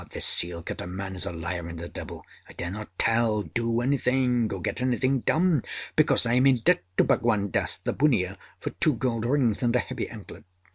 This seal cutter man is a liar and a devil. I dare not tell, do anything, or get anything done, because I am in debt to Bhagwan Dass the bunnia for two gold rings and a heavy anklet.